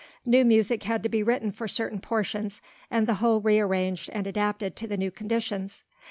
New music had to be written for certain portions, and the whole rearranged and adapted to the new conditions.